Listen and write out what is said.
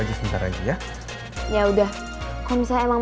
yah se carbon